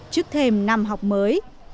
trước thêm năm học mới